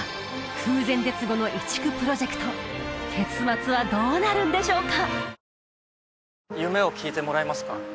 空前絶後の移築プロジェクト結末はどうなるんでしょうか？